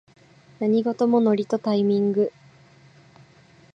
何事もノリとタイミング